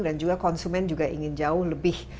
dan juga konsumen juga ingin jauh lebih